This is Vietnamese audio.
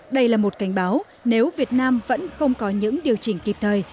đây là một cảnh báo nếu việt nam vẫn không có những điều chỉnh kịp thời